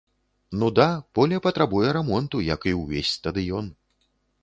Ну да, поле патрабуе рамонту, як і ўвесь стадыён.